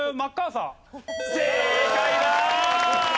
正解だ！